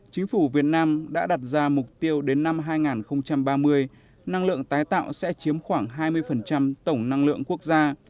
chính phủ việt nam đã đặt ra mục tiêu đến năm hai nghìn ba mươi năng lượng tái tạo sẽ chiếm khoảng hai mươi tổng năng lượng quốc gia